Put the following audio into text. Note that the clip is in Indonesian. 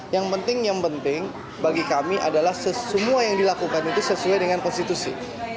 yang penting yang penting bagi kami adalah semua yang dilakukan itu sesuai dengan konstitusi